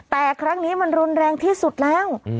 แต่ครั้งนี้มันรุนแรงที่สุดแล้ว